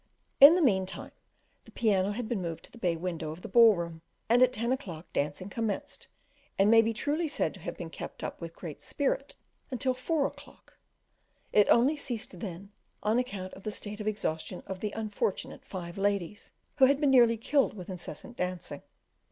In the meantime, the piano had been moved to the bay window of the ball room, and at ten o'clock dancing commenced, and may be truly said to have been kept up with great spirit until four o'clock: it only ceased then on account of the state of exhaustion of the unfortunate five ladies, who had been nearly killed with incessant dancing.